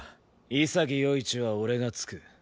潔世一は俺がつく。